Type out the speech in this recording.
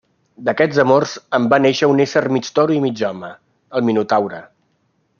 D'aquests amors en va néixer un ésser mig toro i mig home, el Minotaure.